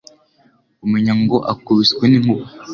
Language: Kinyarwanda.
Umenya ngo akubiswe n'inkuba.